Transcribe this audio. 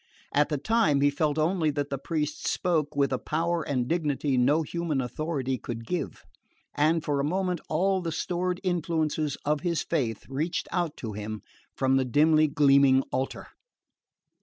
At the time he felt only that the priest spoke with a power and dignity no human authority could give; and for a moment all the stored influences of his faith reached out to him from the dimly gleaming altar.